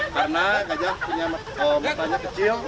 karena gajah punya mata kecil